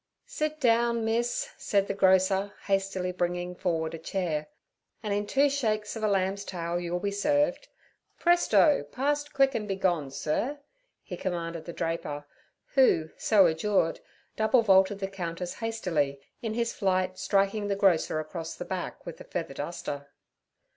'Sit down, miss' said the grocer, hastily bringing forward a chair, 'an' in two shakes ov a lamb's tail you'll be served. Presto, pass quick an' begone, sir!' he commanded the draper, who so adjured double vaulted the counters hastily, in his flight striking the grocer across the back with the feather duster.